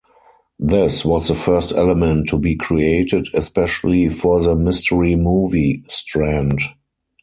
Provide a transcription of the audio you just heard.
This was the first element to be created especially for the "Mystery Movie" strand.